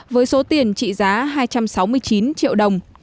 với số tiền trị giá hai trăm sáu mươi chín triệu đồng